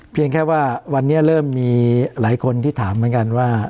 เพียงแค่ว่าวันนี้เริ่มมีหลายคนที่ถามเหมือนกันว่า